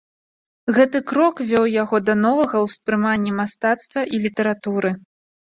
Гэты крок вёў яго да новага ўспрымання мастацтва і літаратуры.